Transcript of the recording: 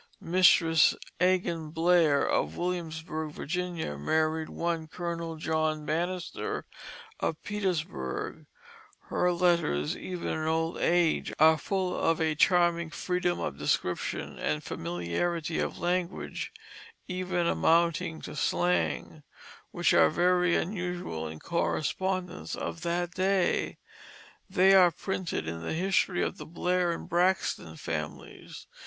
Mistress Agan Blair of Williamsburg, Virginia, married one Colonel John Banister of Petersburg; her letters, even in old age, are full of a charming freedom of description and familiarity of language, even amounting to slang, which are very unusual in correspondence of that day. They are printed in the History of the Blair and Braxton Families.